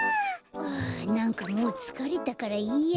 はあなんかもうつかれたからいいや。